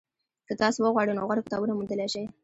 که تاسو وغواړئ نو غوره کتابونه موندلی شئ.